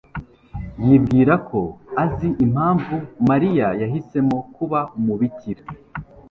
yibwira ko azi impamvu Mariya yahisemo kuba umubikira.